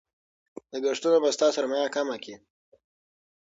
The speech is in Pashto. لګښتونه به ستا سرمایه کمه کړي.